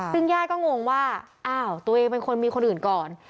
ซึ่งญาติก็งงว่าอ้าวตัวเองเป็นคนมีคนอื่นก่อน